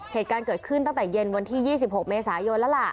เหตุการณ์เกิดขึ้นตั้งแต่เย็นวันที่๒๖เมษายนแล้วล่ะ